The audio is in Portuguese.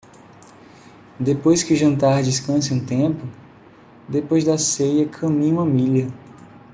Depois que o jantar descanse um tempo? depois da ceia caminhe uma milha.